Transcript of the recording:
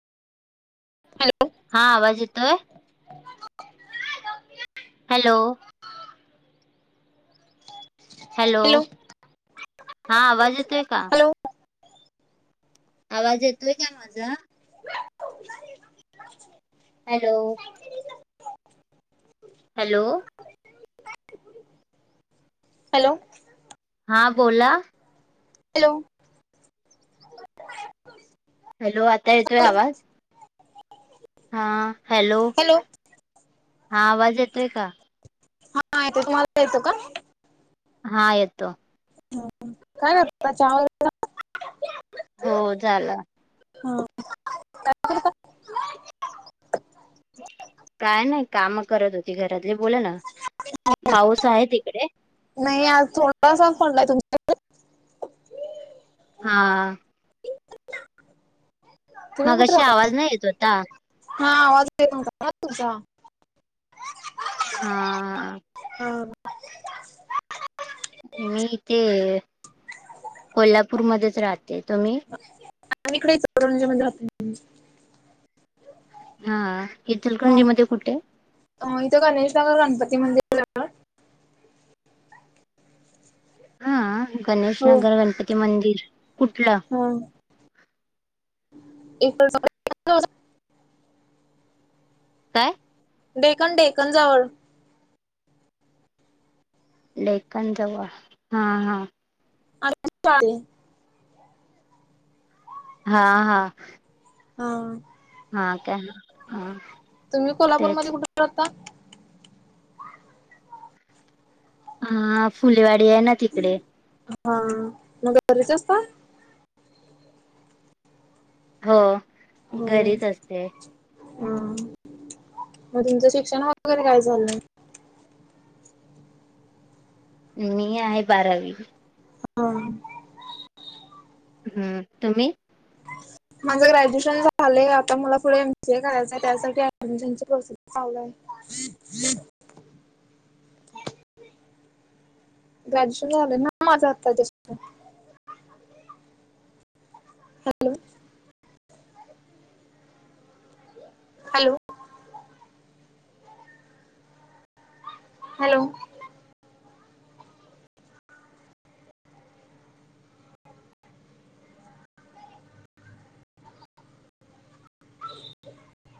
Hello हा आवाज येतोय [unintelligible] [inaudible] हॅलो हॅलो हा आवाज येतोय का हॅलो आवाज येतोय काय माझा उ चारि डुकि हॅलो हॅलो हॅलो हा बोला हॅलो हॅलो आत येतोय हॅलो आवाज हा हॅलो हा आवाज येतोय का हा येत तुम्हाला यायचं का हा येतो ह काय रिताचा आवाज आला हो झाला हा काय नाही काम करत होती घरातली बोला ना पाऊस आहे तिकडे नाही आज थोडासाच पळलाय तुमच्या हा. तुम्ही कुठे मगाशी राहता आवाज नाही येत होता मग. हा आवाजकम तूझ [inaudible] हा. हा. मी इथे. कोल्हापूरमध्येच राहते. तुम्ही? आम्ही इकडेच इचलकरंजी मध्ये राहतोय. हा हा हचलकरंजी मध्ये कुठे? इथं. गणेशनगर गणपती मंदिरा जवळ. हा. गणेश हो नगर. गणपती मंदिर. कुठलं? हा एक [unintelligible] काय. डेकन डेकनजवळ. लेखन जवळ. हा हा. आ चालेल [unintelligible] हा हा. हा. हा का? ह. तुम्ही कोल्हापूरमध्ये कुठ राहता. हा. फुलेवाडी आहे ना. तिकडे. हा. मग घरीचं असताल. हो. हो. घरीच असते हा. म तुमचं शिक्षण वगैरे काय झालंय. मी आहे बारावी. ह. ह. हम्म. तुम्ही? माझं ग्रॅज्युएशन झालंय. आता मला पुढे एमसीए करायचंय. त्यासाठी ऍडमिशन प्रोसेस चालू हाय. एक ह [inaudible] ग्रॅज्युएशन झालंय ना. माझ आता जस्ट. हॅलो. हॅलो. हॅलो.